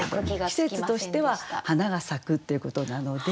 季節としては花が咲くっていうことなので。